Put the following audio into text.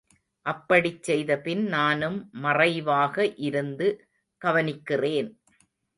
அப்படிச் செய்தபின் நானும் மறைவாக இருந்து கவனிக்கிறேன்.